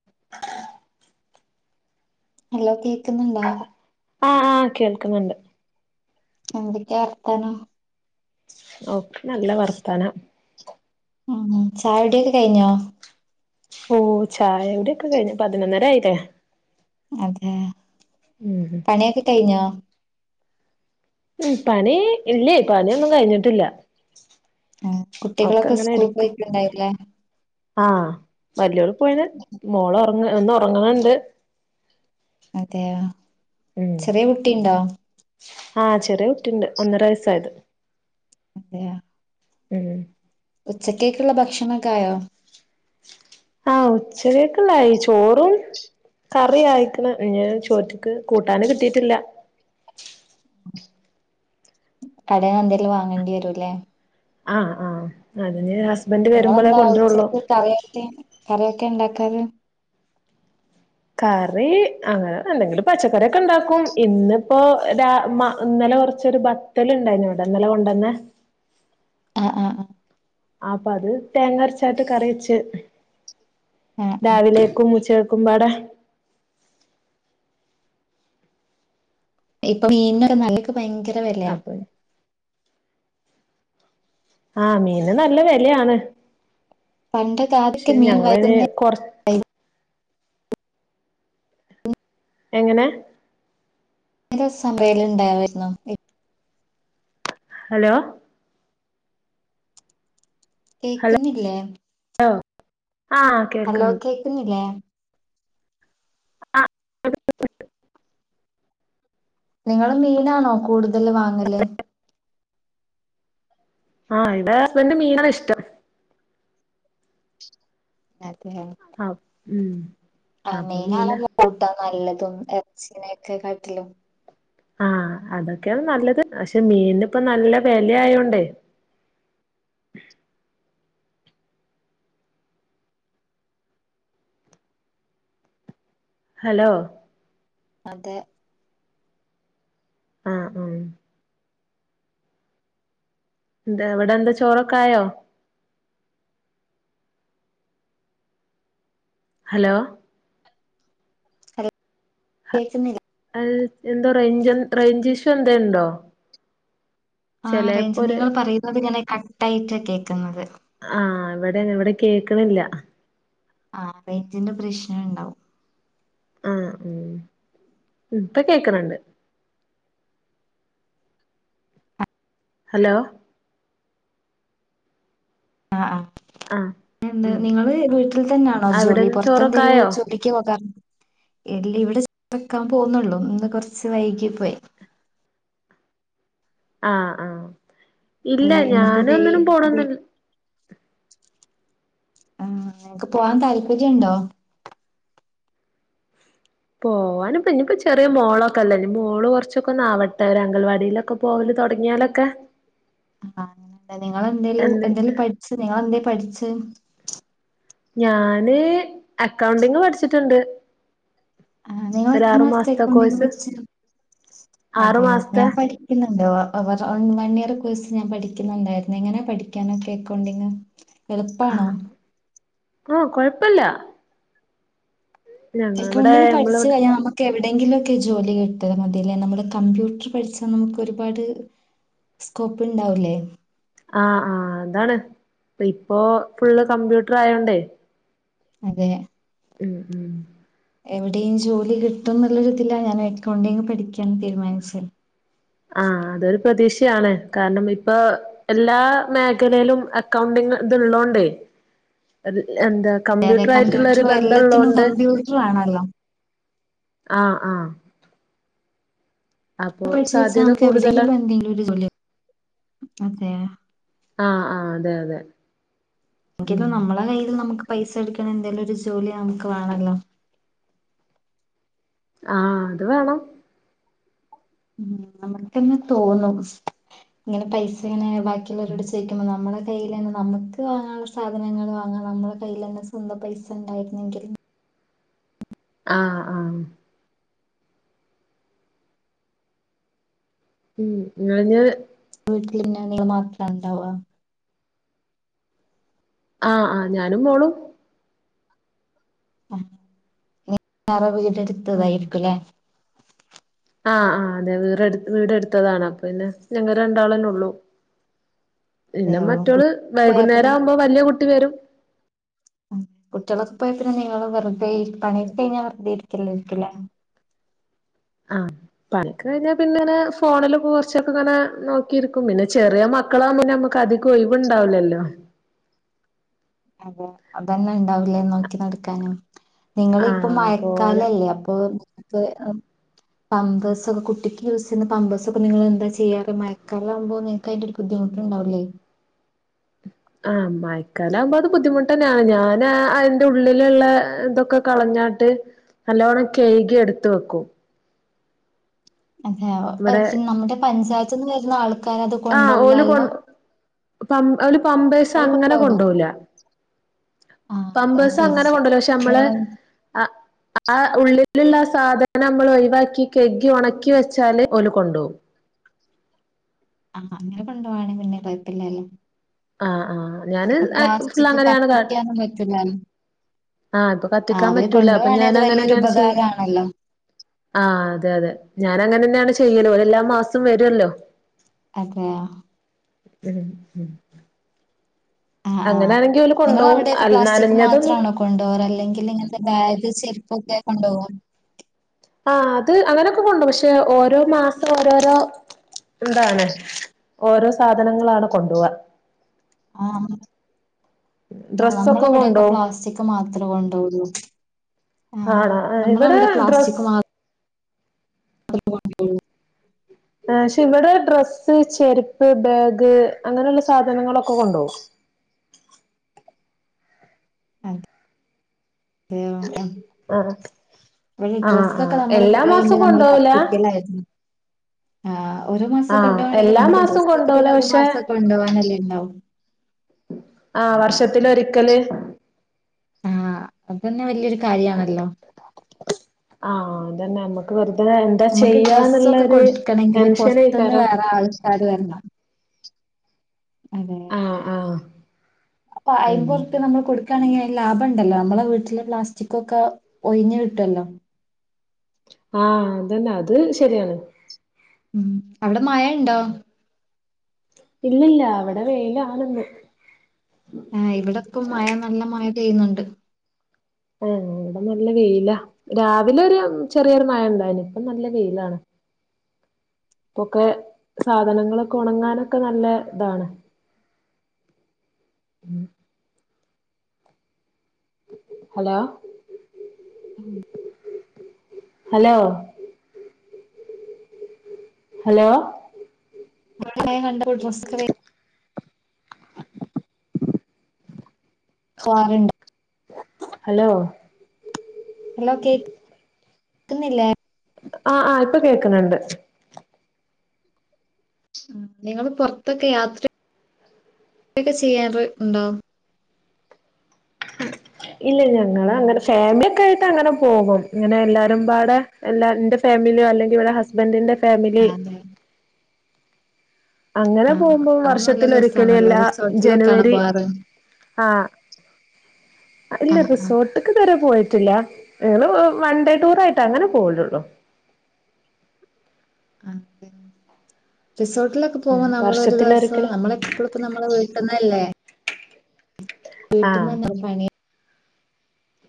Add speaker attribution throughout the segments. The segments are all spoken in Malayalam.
Speaker 1: [unintelligible]
Speaker 2: ഹലോ കേക്കുന്നുണ്ടാ
Speaker 1: ആഹ് ആഹ് കേൾക്കുന്നുണ്ട്
Speaker 2: എന്തൊക്കെയാ വർത്തനം
Speaker 1: ഓക്ക നല്ല വർത്താനം
Speaker 2: ഉം ഉം ചായകുടിയൊക്കെ കഴിഞ്ഞോ
Speaker 1: ഓഹ് ചായകുടിയൊക്കെ കഴിഞ് പതിനൊന്നര ആയില്ലേ
Speaker 2: അതെ
Speaker 1: ഉം ഉം
Speaker 2: പണിയൊക്കെ കഴിഞ്ഞോ
Speaker 1: ഉം പണി ഇല്ലേ പണിയൊന്നും കഴിഞ്ഞിട്ടില്ല
Speaker 2: ആഹ്
Speaker 1: ഒക്കെ
Speaker 2: കുട്ടികളൊക്കെ
Speaker 1: ഇങ്ങനെ
Speaker 2: സ്കൂൾ
Speaker 1: എടുക്ക
Speaker 2: പോയിട്ടുണ്ടായില്ലേ
Speaker 1: ആഹ് വലിയോള് പോയിന് മോള ഉറങ് ഒന്ന് ഉറങ്ങണ്ണ്ട്
Speaker 2: അതെയോ
Speaker 1: ഉം
Speaker 2: ചെറിയ കുട്ടി ഇണ്ടോ
Speaker 1: ആഹ് ചെറിയ കുട്ടിണ്ട് ഒന്നര വയസ്സായത്
Speaker 2: അതെയ
Speaker 1: ഉം
Speaker 2: ഉച്ചക്കേക്കുള്ള ഭക്ഷണൊക്കെ ആയോ
Speaker 1: ആഹ് ഉച്ചക്കെക്ക്ള്ളായി ചോറും
Speaker 2: [unintelligible]
Speaker 1: കറി ആയിക്കണ് ഇഞ്ഞി ചോറ്റിക്ക് കൂട്ടാന് കിട്ടിയിട്ടില്ല
Speaker 2: കടെന്നു എന്തേലും വാങ്ങേണ്ടി വരുല്ലേ
Speaker 1: ആഹ് ആഹ് അതെ ഇഞ്ഞി ഹസ്ബന്റ് വരുമ്പോളെ
Speaker 2: നിങ്ങളെന്താ
Speaker 1: കൊണ്ട്രോള്ളു
Speaker 2: ഉച്ചക്ക് കറിയൊക്കെ കറിയൊക്കെ ഇണ്ടാക്കാറ്
Speaker 1: കറി അങ്ങനെ എന്തെങ്കിലും പച്ചക്കറിയോക്കെ ഇണ്ടാക്കും ഇന്നിപ്പോ രാ മ ഇന്നലെ കോറച്ചോരു ത്തല് ഇണ്ടായിന്നിവിടെഇന്നലെ കൊണ്ടന്നെ
Speaker 2: ആഹ് ആഹ് ആഹ്
Speaker 1: അപ്പൊ അത് തേങ്ങ അരച്ചായിട്ട് കറി വെച്ച്
Speaker 2: ആഹ് ആഹ്
Speaker 1: രാവിലേക്കും ഉച്ചേക്കേക്കുമ്പാടെ
Speaker 2: ഇപ്പൊ മീനിനെക്ക്നല്ലക്ക്‌ ഭയങ്കര വെല്യാ
Speaker 1: അപ്പൊ ആഹ് മീന് നല്ല വെലയാണ്
Speaker 2: പണ്ടക്ക്‌ ആദ്യോക്കെ കാല മീൻ
Speaker 1: ഞങ്ങളിന്
Speaker 2: വരുന്ന
Speaker 1: കൊറ എങ്ങനെ
Speaker 2: ഇന്നലെ സബേൽ ഇണ്ടായിരുന്നോ
Speaker 1: ഹലോ
Speaker 2: കേക്കുന്നില്ലേ
Speaker 1: ഹലോ ആഹ്
Speaker 2: ഹലോ
Speaker 1: കേൾക്കുന്നു
Speaker 2: കേക്കുന്നില്ലേ
Speaker 1: ആഹ്
Speaker 2: നിങ്ങള് മീനാണോ കൂടുതൽ വാങ്ങല്
Speaker 1: ആഹ് ഇവിടെ ഹസ്ബന്റ് മീനാ ഇഷ്ടം
Speaker 2: അതെ
Speaker 1: ആഹ് ഉം
Speaker 2: ആഹ്
Speaker 1: അപ്പൊ മീന
Speaker 2: മീനാണല്ലോ കൂട്ടാ നല്ലതും ഇറച്ചിനൊക്കെ കാട്ടിലും
Speaker 1: ആഹ് അതൊക്കെയാണ് നല്ലത് പക്ഷെ മീനി ഇപ്പ നല്ല വെല ആയോണ്ടേ ഹലോ
Speaker 2: അതെ
Speaker 1: ആഹ് ഉം എന്താ അവിടെ എന്താ ചോറൊക്കെ ആയോ ഹലോ
Speaker 2: കേക്കുന്നില്ലെ
Speaker 1: അഹ് എന്തോ റെയ്ഞ്ച്എൻ റേയ്ഞ്ച്ശൂ എന്തേണ്ടോ
Speaker 2: ആഹ് റേയ്ഞ്ച് നിങ്ങൾപറയുന്നത് ഇങ്ങനെ കട്ടആയിട്ടകേക്ക്‌ന്നത്
Speaker 1: ആഹ് ഇവടെഅങ്ങനെ ഇവടെകേക്കണില്ല
Speaker 2: ആഹ് റെയ്ഞ്ച്ന്റെ പ്രശ്നണ്ടാവും
Speaker 1: ആഹ് ഉ ഇപ്പകേക്ക്‌ണണ്ട് ഹലോ
Speaker 2: ആഹ്
Speaker 1: ആഹ്
Speaker 2: എന്ത്‌
Speaker 1: ഉം
Speaker 2: നിങ്ങള് വീട്ടിൽ തന്നെആണോജോലി
Speaker 1: അവിടെന്ന് ചോറൊക്കായോ
Speaker 2: പുറത്തെന്തേലുംജോലി ക്ക്യുംഓകം ഇല്ല്യ ഇവിടെ [inaudible] വെക്കാൻ പോകുന്നൊള്ളൂ ഇന്ന്കൊറച്ച് വൈകിപോയി
Speaker 1: ആഹ് ആഹ് ഇല്ല
Speaker 2: ഇന്നിപ്പോ വെയി
Speaker 1: ഞാനൊന്നിനും
Speaker 2: വെ
Speaker 1: പോണൊന്നി
Speaker 2: ആഹ് നിങ്ങക്ക് പോവാൻതാല്പര്യണ്ടോ
Speaker 1: പോവാനും ഇഞ്ഞിപ്പം ചെറിയ മോളൊക്കെല്ലേ മോളുകുറച്ചൊക്കെന്ന് ആവട്ടെ ഒരഅംഗൽവാടിലൊക്കെ പോവല് തൊടങ്യാലൊക്കെ
Speaker 2: ആഹ് എ നിങ്ങളെന്തേലും
Speaker 1: എന്ത്
Speaker 2: എന്തേലുംപഠിച്ച് നിങ്ങളെന്തേപഠിച്ച്
Speaker 1: ഞാന് അക്കൗണ്ടിങ്പഠിച്ചിട്ട്ണ്ട്
Speaker 2: ആഹ് നിങ്ങള്എത്രമാസ്ത്തേ
Speaker 1: മാസത്തെ കോഴ്സ്
Speaker 2: എക്കൗണ്ടിങ്പഠിച്ച്
Speaker 1: ആറു
Speaker 2: അതെയോ
Speaker 1: മാസത്തെ
Speaker 2: ഞാൻപഠി ക്കിന്നുണ്ടോ അപ്പപറവൺ വൺഇയറ്കോഴ്സ് ഞാൻ പഠിക്യുന്നുണ്ടായിരുന്നു എങ്ങനേ പഠിക്ക്യാനൊക്കെഎക്കോണ്ടിങ് എള്പ്പാണോ
Speaker 1: ആഹ് കൊഴപ്പല്ല ഞങ്ങ ഇവിടെ നമ്മളിവിടെ
Speaker 2: എക്കൊണ്ടിങ്പഠച്ച്കഴിഞാ നമ്മ ക്കെഎവിടെങ്കിലൊക്കെ ജോലികിട്ടാമതീല്ലേ നമ്മള്കമ്പ്യൂട്ടർ പഠിച്ചാനമുക്കൊരുപാട് സ്കോപ്പ് ണ്ടാവൂലെ
Speaker 1: ആഹ് ആഹ് അതാണ് ഇപ്പോഫുള്ള് കമ്പ്യൂട്ടർആയോണ്ടേ
Speaker 2: അതെ
Speaker 1: ഉം ഉം
Speaker 2: എവിടെയും ജോലികിട്ടുംന്ന്ള്ളൊരുതില ഞാനുംഎക്കൗണ്ടിങ്പഠിക്ക്യാൻ തീരുമാനിച്ചേ
Speaker 1: ആഹ് അതൊരുപ്രതീക്ഷയാണ് കാരണം ഇപ്പൊ എല്ലാ മേഖലേലും അക്കൗണ്ടിങ് ഇത്ള്ളോണ്ടേ എന്താ
Speaker 2: അതെ കമ്പ്യൂട്ടർ എല്ലാത്തിനും
Speaker 1: കമ്പ്യൂട്ടർആയിട്ടുള്ളഒരുബന്ധള്ളോണ്ട്
Speaker 2: കമ്പ്യൂട്ടർ ആണല്ലോ
Speaker 1: ആഹ് ആഹ്
Speaker 2: പഠിച്ച്
Speaker 1: സാധ്യത
Speaker 2: വെച്ചാഅമ്മക്ക് എവിടേങ്കിലും
Speaker 1: കൂടുതലാണ്
Speaker 2: എന്തേങ്കിലോര്ജോലി അതെ
Speaker 1: ആഹ് ആഹ് അതെഅതെ
Speaker 2: ക്കെത് നമ്മളെകയ്യിൽന്ന് നമ്മക്ക്പൈസഎടുക്കണേ എന്തെലോര് ജോലിനമുക്ക് വേണല്ലോ
Speaker 1: ആഹ് അത് വേണം
Speaker 2: ഉ നമ്മക്കന്നെ തോന്നും ഇങ്ങനെ പൈസ ഇങ്ങനെ ബാക്കിയുള്ളോരോട് ചോ നമ്മടെ കയ്യിലാന്നേ നമ്മക്ക് വാങ്ങാനുള്ള സാധനങ്ങള് വാങ്ങാൻ നമ്മടെ കൈയ്യില്ലെന്നേ സ്വന്തം പൈസ ഉണ്ടായിരുന്നെങ്കിൽ
Speaker 1: ആഹ് ആഹ് ഉം ഞാന്
Speaker 2: വീട്ടില് പിന്നെ നിങ്ങൾ മാത്രം ഉണ്ടാവ
Speaker 1: ആഹ് ആഹ് ഞാനും മോളും
Speaker 2: നി വേറെ വീട്
Speaker 1: ഉം
Speaker 2: എടുത്തതായിരിക്കുവല്ലേ
Speaker 1: ആഹ് ആഹ് അതെ വേറെ വീട് എടുത്തതാണ് അപ്പ പിന്നെ ഞങ്ങള് രണ്ടാള് തന്നെയുള്ളൂ പിന്നെ
Speaker 2: അതെയോ?
Speaker 1: മറ്റോള്
Speaker 2: കുട്ടികളൊക്കെ പോയാ പിന്നെ
Speaker 1: വൈകുന്നേരം ആവുമ്പോ വല്ല്യ കുട്ടി വരും
Speaker 2: കുട്ടികളൊപ്പൊ ആയാ പിന്നെ നിങ്ങള് വെറുതെ ഇരുപ്പാ [unintelligible] വെറുതെ ഇരിക്കല്ലായ്യിരിക്കുവല്ലേ
Speaker 1: ആഹ് പണിയൊക്കെ കഴിഞ്ഞാ പിന്നിങ്ങനെ ഫോണില് കൊറച്ചൊക്കെ ഇങ്ങനെ നോക്കിയിരിക്കും പിന്നെ ചെറിയ മ ക്കളാവുമ്പോ പിന്നെ നമ്മക്ക് അധികം ഒഴിവുണ്ടാവില്ലല്ലോ
Speaker 2: അപ്പോ അതെന്നെ ഇണ്ടാവൂലേ നോക്കി നടക്കാനും നിങ്ങള് ഇപ്പൊ
Speaker 1: ആഹ് പോലെ
Speaker 2: മയക്കാലല്ലേ അപ്പൊ [unintelligible] പാമ്പേഴ്സൊക്കെ കുട്ടിക്ക് യൂസ് ചെയ്യുന്ന പമ്പേഴ്സൊക്കെ നിങ്ങളെന്താ ചെയ്യാറ് മഴക്കാലം ആവുമ്പോന്ന് അതിന്റെ ഒരു ബുദ്ധിമുട്ട് ഉണ്ടാവൂലേ
Speaker 1: ആഹ് മഴക്കാലം ആവുമ്പോ അത് ബുദ്ധിമുട്ട് തന്നെയാണ് ഞാന് അയിന്റെ ഉള്ളിലുള്ള ഇതൊക്കെ കളഞ്ഞാട്ട് നല്ലോണം കയ്കി എടുത്ത് വെക്കും ഇവിടെ
Speaker 2: അതെയൊ നമ്മുടെ പഞ്ചായത്തീന്ന് വരുന്ന ആൾക്കാര് അത് കൊണ്ട്
Speaker 1: ആഹ് ഓല് കൊ
Speaker 2: പോവില്ലല്ലോ
Speaker 1: പം ഓല് പമ്പേഴ്സ് അങ്ങനെ
Speaker 2: കൊണ്ടോവോ
Speaker 1: കൊണ്ട് പോവൂല്ല
Speaker 2: ആഹ് അത്
Speaker 1: പാമ്പേഴ്സ്
Speaker 2: ശരി
Speaker 1: അങ്ങനെ
Speaker 2: ശരി.
Speaker 1: കൊണ്ട് പോവൂല പക്ഷേ
Speaker 2: അപ്പൊ
Speaker 1: നമ്മള്
Speaker 2: നിങ്ങള്
Speaker 1: ആഹ് ഉള്ളിലുള്ള ആ സാധനം നമ്മൾ ഒഴിവാക്കി കഴുകി ഉണക്കി വെച്ചാല് ഓല് കൊണ്ട് പോവും
Speaker 2: ആഹ് അങ്ങനെ കൊണ്ട് പോവാണെങ്കിൽ പിന്നെ കൊഴപ്പം ഇല്ലല്ലോ
Speaker 1: ആഹ് ആഹ് ഞാന് ഫുള്ള്
Speaker 2: പ്ലാസ്റ്റിക്
Speaker 1: അങ്ങനെയാണ് കാ
Speaker 2: [unintelligible]
Speaker 1: ആഹ് ഇപ്പൊ
Speaker 2: ആഹ്
Speaker 1: കത്തിക്കാൻ
Speaker 2: അവര്
Speaker 1: പറ്റൂല അപ്പൊ
Speaker 2: കൊണ്ടുപോവാണെ അത്
Speaker 1: ഞാൻ അങ്ങനെ
Speaker 2: വലിയൊരു
Speaker 1: ന്നെയാണ് ചെ
Speaker 2: ഉപകാരാണല്ലോ
Speaker 1: ആഹ് അതെ അതെ ഞാൻ അങ്ങനെ തന്നെയാണ് ചെയ്യല് ഓര് എല്ലാ മാസവും വരൂല്ലോ
Speaker 2: അതെയാ
Speaker 1: ഉം ഉം
Speaker 2: ആഹ് ആഹ്
Speaker 1: ഓല് കൊണ്ടോവും
Speaker 2: നിങ്ങളവിടെയൊക്കെ
Speaker 1: അൽ
Speaker 2: പ്ളാസ്റ്റിക്
Speaker 1: നനഞ്ഞതൊന്നും
Speaker 2: മാത്രവാണോ കൊണ്ട് പോകല് അല്ലെങ്കില് ഇങ്ങനത്തെ ബാഗ് ചെരുപ്പുവൊക്കെ കൊണ്ട് പോവുവോ
Speaker 1: ആഹ് അത് അങ്ങനൊക്കെ കൊണ്ടോവും പഷെ ഓരോ മാസവും ഓരോരോ എന്താണ് ഓരോ സാധനങ്ങളാണ് കൊണ്ടോവാ
Speaker 2: ആഹ് ആ നമ്മടെ
Speaker 1: ഡ്രസ്സൊക്കെ
Speaker 2: ഇവിടയൊക്കെ
Speaker 1: കൊണ്ടോവും
Speaker 2: പ്ലാസ്റ്റിക്ക് മാത്രവെ കൊണ്ട് പോവൂള്ളു ആ
Speaker 1: ആണോ ഇവിടെ
Speaker 2: നമ്മളെവടെ പ്ലാസ്റ്റിക്
Speaker 1: ഡ്രസ്സ്
Speaker 2: മാ [unintelligible]
Speaker 1: ആഹ് പക്ഷേ ഇവിടെ ഡ്രസ്സ് ചെരിപ്പ് ബാഗ് അങ്ങനെയുള്ള സാധനങ്ങളൊക്കെ കൊണ്ടോവും
Speaker 2: അതെയോ
Speaker 1: ആഹ്
Speaker 2: ഇവിടെ
Speaker 1: ആഹ്
Speaker 2: ഡ്രസ്സൊക്കെ
Speaker 1: ആഹ്
Speaker 2: നമ്മള്
Speaker 1: എല്ലാ
Speaker 2: കൊറേയുണ്ട്
Speaker 1: മാസവും
Speaker 2: നമ്മള്
Speaker 1: കൊണ്ടോവൂല
Speaker 2: കത്തിക്കലായിരുന്നു ആഹ് ഒരു മാസം
Speaker 1: ആഹ്
Speaker 2: കൊണ്ടോവാണെങ്കിൽ
Speaker 1: എല്ലാ
Speaker 2: നമുക്ക്
Speaker 1: മാസവും
Speaker 2: ഡ്രസൊക്കെ
Speaker 1: കൊണ്ടോവൂല
Speaker 2: പിന്നെ ഒരു
Speaker 1: പക്ഷെ
Speaker 2: മാസവൊക്കെ കൊണ്ടോവാനല്ലേ ഉണ്ടാവു
Speaker 1: ആഹ് വർഷത്തിൽ ഒരിക്കല്
Speaker 2: ആഹ് അത് തന്നെ വല്ല്യ ഒരു കാര്യാണല്ലോ
Speaker 1: ആഹ് അത് തന്നെ നമ്മ ക്ക് വെറുതെ എന്താ
Speaker 2: നമുക്ക് ഡ്രസ്സൊക്കെ
Speaker 1: ചെയ്യാന്നൊള്ളോര് ടെൻഷനേക്കാരം
Speaker 2: അത് വെരണം അതെ
Speaker 1: ആഹ് ആഹ്
Speaker 2: അപ്പൊ
Speaker 1: ഉം
Speaker 2: അയ്മ്പൊർപ്യ നമ്മള് കൊട്ക്കാണെങ്കി അയ്ന് ലാഭ ണ്ടല്ലോ നമ്മളെ വീട്ടിലെ പ്ളാസ്റ്റിക്കൊക്കെ ഒഴിഞ് കിട്ടുല്ലോ
Speaker 1: ആഹ് അതന്നെ അത് ശരിയാണ്
Speaker 2: ഉം അവിടെ മഴണ്ടോ
Speaker 1: ഇല്ലല്ല വിടെ വെയിലാണ്ന്ന്
Speaker 2: ആഹ് ഇവിടെപ്പം മഴ നല്ല മഴ പെയ്യുന്നുണ്ട്
Speaker 1: ആഹ് വിടെ നല്ല വെയില രാവിലൊരു ചെറ്യോരു മഴണ്ടായിന് ഇപ്പം നല്ല വെയിലാണ് പ്പൊക്കെ സാധനങ്ങളൊക്കെ ഉണങ്ങാനൊക്കെ നല്ല ഇതാണ് ഉം ഹലോ ഹലോ ഹലോ
Speaker 2: [unintelligible] കണ്ടപ്പോ ഡ്രസ്സ്‌
Speaker 1: [inaudible]
Speaker 2: തോനെണ്ട്
Speaker 1: ഹലോ
Speaker 2: ഹലോ കേക് ക്ക്ന്നില്ലേ
Speaker 1: അഹ് ആഹ് ഇപ്പൊ കേക്ക്ണണ്ട്
Speaker 2: നിങ്ങള് പൊർത്തൊക്കെ യാത്ര ക്കെ ചെയ്യാറ് ഇണ്ടോ [inaudible]
Speaker 1: ഇല്ല ഞങ്ങള് അങ്ങനെ ഫാമിലി ഒക്കെ ആയിട്ട് അങ്ങനെ പോകും ഇങ്ങനെ എല്ലാരുംപാടെ എല്ലാ ന്റെ ഫാമിലിയൊ അല്ലെങ്കിവിടെ ഹസ്ബന്റിന്റെ
Speaker 2: ആ,
Speaker 1: ഫാമിലി
Speaker 2: അതെ
Speaker 1: അങ്ങനെ
Speaker 2: ആഹ് ആഹ്
Speaker 1: പോകുമ്പോ
Speaker 2: അത് നല്ല
Speaker 1: വർഷത്തിലൊരിക്കല്
Speaker 2: രസാണല്ലോ
Speaker 1: എല്ലാ
Speaker 2: റിസോർട്ടിലൊക്കെയാണ്
Speaker 1: ജനുവരി
Speaker 2: പോവാറ്
Speaker 1: ആഹ് ഇല്ല
Speaker 2: ആഹ് ആഹ്
Speaker 1: റിസോർട്ട്ക്ക് ഇതുവരെ പോയിട്ടില്ല ഞങ്ങള് വൺ ഡേ ടൂർ ആയിട്ട് അങ്ങനെ പോവലുള്ളു.
Speaker 2: അതെ റിസോർട്ടിലൊക്കെ പോകുമ്പോ നമ്മളൊരു ദിവസം
Speaker 1: വർഷത്തിലൊരിക്കല്
Speaker 2: നമ്മളെ ഇട്ടുടുക്ക് നമ്മളെ വീട്ട്ന്നല്ലേ
Speaker 1: ആ
Speaker 2: വീട്ടിന്നന്നെ അപ്പൊ പണി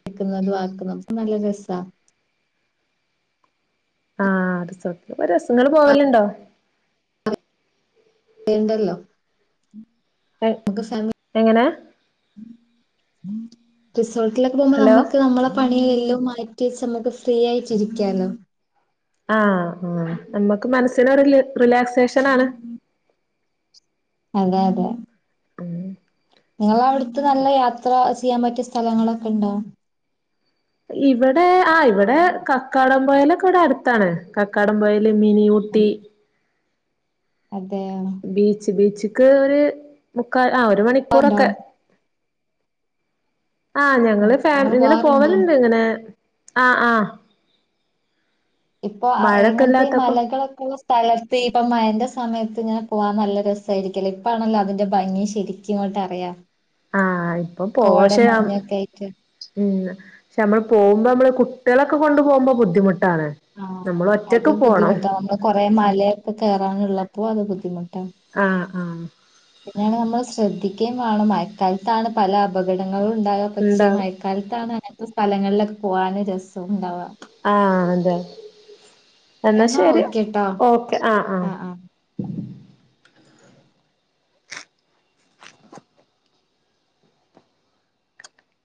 Speaker 2: നിക്കുന്നതും ആകുന്നതും അപ്പൊ നല്ല രസാ
Speaker 1: ആഹ് റിസോർട്ടില് പോയ രസാ ങ്ങള് പോവലുണ്ടോ
Speaker 2: വേണ്ടല്ലോ
Speaker 1: എ എങ്ങനെ
Speaker 2: റിസോർട്ടിലൊക്കെ പോകുമ്പോ
Speaker 1: ഹലോ
Speaker 2: നമ്മക്ക് നമ്മളെ പണി എല്ലും മാറ്റിവെച്ച് നമുക്ക് ഫ്രീ ആയിട്ടിരിക്കാലോ
Speaker 1: ആഹ് ആഹ് നമ്മക്ക് മനസ്സിനൊരു റിലാക്സേഷനാണ്.
Speaker 2: അതെ അതെ
Speaker 1: ഉം
Speaker 2: നിങ്ങളെ അവിടുത്ത് നല്ല യാത്ര ചെയ്യാൻ പറ്റിയ സ്ഥലങ്ങളൊക്കെണ്ടോ
Speaker 1: ഇവടെ ആഹ് ഇവിടെ കക്കാടം പോയലൊക്കെ ഇവടെ അടുത്താണ് കക്കാടം പോയൽ ലെ മിനി ഊട്ടി
Speaker 2: അതെ അതെയോ
Speaker 1: ബീച്ച് ബീച്ചക്ക് ഒരു മുക്കാ ആ ഒരു
Speaker 2: ഉണ്ടോ
Speaker 1: മണിക്കൂറൊക്കെ ആഹ് ഞങ്ങള് ഫാ
Speaker 2: നിങ്ങൾ
Speaker 1: ഇങ്ങനെ
Speaker 2: പോവാറുണ്ടോ
Speaker 1: പോവലുണ്ട് ഇങ്ങനെ ആഹ് ആഹ്
Speaker 2: ഇപ്പൊ എങ്ങൻത്തെ ഈ
Speaker 1: ഇല്ലാത്തപ്പോ
Speaker 2: മലകളൊക്കെള്ള സ്ഥ സ്ഥലത്ത് ഇപ്പ മഴന്റെ സമയത്ത്ങ്ങനെ പോകാൻ നല്ല രസായിരിക്കല്ലോ ഇപ്പാണല്ലോ അതിന്റെ ഭംഗി ശെരി ക്കിങ്ങോട്ട് അറിയാം
Speaker 1: ആഹ് ഇപ്പൊ
Speaker 2: കോട
Speaker 1: പോശേ
Speaker 2: മഞ്ഞൊക്കെ ആയിട്ട്
Speaker 1: ഉം പക്ഷെ നമ്മള് പോകുമ്പോ നമ്മള് കുട്ടികളൊക്കെ കൊണ്ടു പോകുമ്പോ ബുദ്ധിമുട്ടാണ്.
Speaker 2: ആഹ്
Speaker 1: നമ്മൾ
Speaker 2: അത്
Speaker 1: ഒറ്റക്ക് പോണം
Speaker 2: ബുദ്ധിമുട്ട നമ്മള് കൊറേ മലയൊക്കെ കേറാനുള്ളപ്പോ അത് ബുദ്ധിമു
Speaker 1: ആഹ് ആഹ്
Speaker 2: അതിനാണ് നമ്മൾ ശ്രദ്ധിക്കേയും വേണം മയക്കാലത്താണ് പല അപകടങ്ങളും ഉണ്ടായ പക്ഷേ മയ
Speaker 1: ഉണ്ടാവും
Speaker 2: ക്കാലത്താണ് അങ്ങനത്തെ സ്ഥലങ്ങളിലൊക്കെ പോകാൻ രസമുണ്ടാവ.
Speaker 1: ആഹ് അതെ എന്നാ ശരി ഓക്കെ ആഹ്
Speaker 2: ആ
Speaker 1: ആഹ്
Speaker 2: ആ